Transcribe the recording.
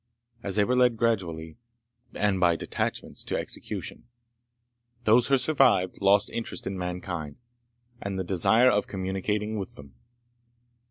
As they were led gradually, and by detachments, to execution, those who survived lost interest in mankind, and the desire of communicating with them.